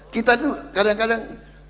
kita itu kadang kadang